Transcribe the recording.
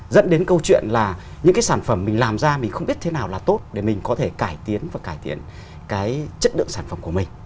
dẫn đến câu chuyện là những cái sản phẩm mình làm ra mình không biết thế nào là tốt để mình có thể cải tiến và cải thiện cái chất lượng sản phẩm của mình